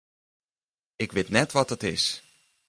Ik wit net wat it is.